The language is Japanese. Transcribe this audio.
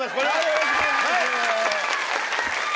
よろしくお願いします。